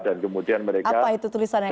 dan kemudian mereka sering bertanya